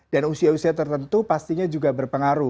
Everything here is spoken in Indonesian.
dan usia usia tertentu pastinya juga berpengaruh